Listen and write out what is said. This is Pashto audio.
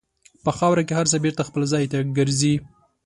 په خاوره کې هر څه بېرته خپل ځای ته ګرځي.